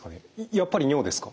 やっぱり尿ですか？